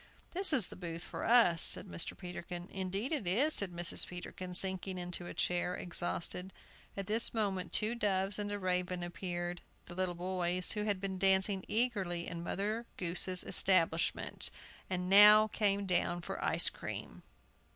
"This is the booth for us," said Mr. Peterkin. "Indeed it is," said Mrs. Peterkin, sinking into a chair, exhausted. At this moment two doves and a raven appeared, the little boys, who had been dancing eagerly in Mother Goose's establishment, and now came down for ice cream.